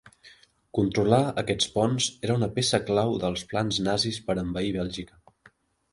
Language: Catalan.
Controlar aquests ponts era una peça clau dels plans nazis per a envair Bèlgica.